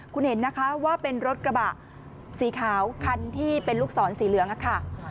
คุณเห็นนะคะว่าเป็นรถกระบะสีขาวคันที่เป็นลูกศรสีเหลืองค่ะ